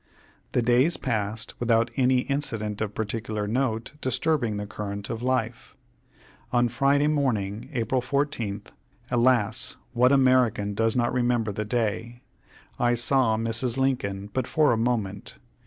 The days passed without any incident of particular note disturbing the current of life. On Friday morning, April 14th alas! what American does not remember the day I saw Mrs. Lincoln but for a moment.